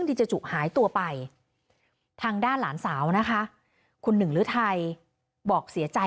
ที่จะจุหายตัวไปทางด้านหลานฉาวนะค่ะหุ่นหนึ่งลื้อไทยบอกเสียใจ